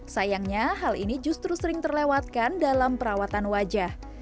sayangnya hal ini justru sering terlewatkan dalam perawatan wajah